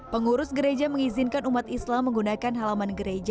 pengurus gereja mengizinkan umat islam menggunakan halaman gereja